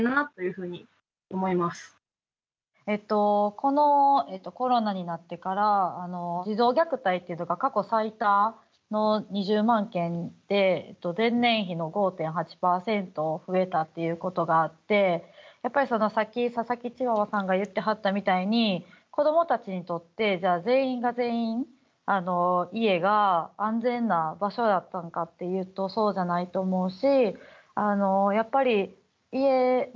このコロナになってから児童虐待っていうのが過去最多の２０万件で前年比の５．８％増えたっていうことがあってやっぱり、さっき佐々木チワワさんが言ってはったみたいに子どもたちにとって全員が全員家が安全な場所だったんかっていうとそうじゃないと思うし。